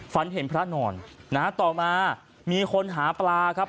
ฝันเห็นพระนอนนะฮะต่อมามีคนหาปลาครับ